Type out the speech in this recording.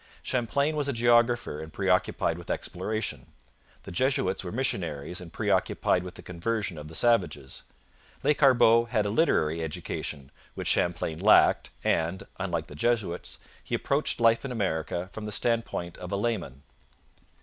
Champlain was a geographer and preoccupied with exploration. The Jesuits were missionaries and preoccupied with the conversion of the savages. Lescarbot had a literary education, which Champlain lacked, and, unlike the Jesuits, he approached life in America from the standpoint of a layman.